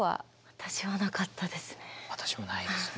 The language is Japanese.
私はなかったですね。